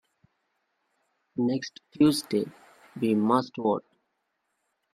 Next Tuesday we must vote.